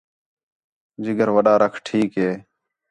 جگر وݙا رکھ ٹھیک ہے